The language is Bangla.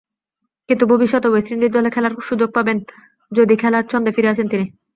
কিন্তু ভবিষ্যতে ওয়েস্ট ইন্ডিজ দলে খেলার সুযোগ পাবেন যদি খেলার ছন্দে ফিরে আসেন তিনি।'